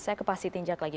saya ke pasitinjak lagi